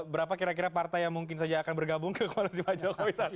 berapa kira kira partai yang mungkin saja akan bergabung ke koalisi pak jokowi saat ini